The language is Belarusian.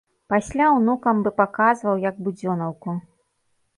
Пасля ўнукам бы паказваў, як будзёнаўку.